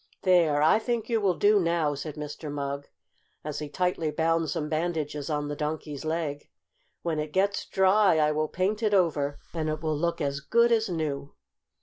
"There, I think you will do now," said Mr. Mugg, as he tightly bound some bandages on the Donkey's leg. "When it gets dry I will paint it over and it will look as good as new."